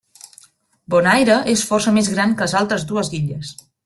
Bonaire és força més gran que les altres dues illes.